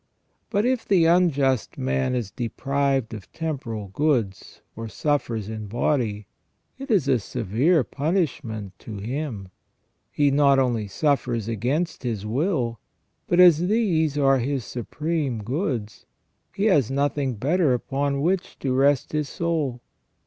But if the unjust man is deprived of temporal goods, or suffers in body, it is a severe punishment to him ; he not only suffers against his will, but as these are his supreme goods, he has nothing better upon which to rest his soul.